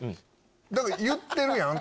だから言ってるやん！